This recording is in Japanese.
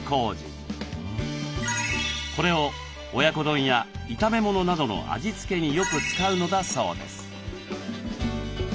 これを親子丼や炒め物などの味付けによく使うのだそうです。